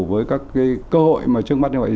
với các cơ hội trước mắt như vậy